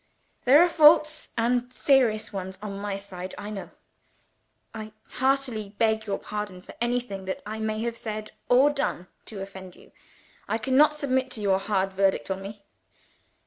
There are faults, and serious ones, on my side, I know. I heartily beg your pardon for anything that I may have said or done to offend you. I cannot submit to your hard verdict on me.